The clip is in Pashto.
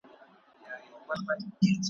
د لستوڼي مار `